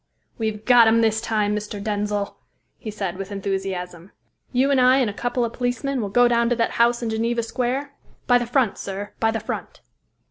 "We've got him this time, Mr. Denzil," he said, with enthusiasm. "You and I and a couple of policemen will go down to that house in Geneva Square by the front, sir, by the front."